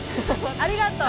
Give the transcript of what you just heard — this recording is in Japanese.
ありがとう。